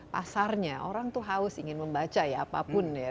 pasarnya orang tuh haus ingin membaca ya apapun ya